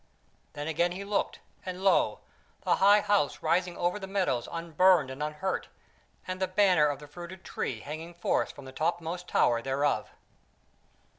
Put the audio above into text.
Then again he looked, and lo! the High House rising over the meadows unburned and unhurt, and the banner of the fruited tree hanging forth from the topmost tower thereof.